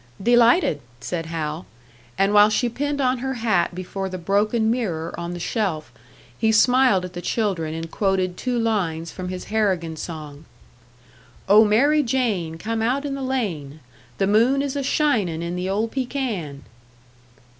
"Delighted!" said Hal; and while she pinned on her hat before the broken mirror on the shelf, he smiled at the children and quoted two lines from his Harrigan song "Oh, Mary Jane, come out in the lane, The moon is a shinin' in the old pecan!"